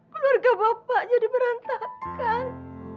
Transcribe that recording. keluarga bapak jadi berantakan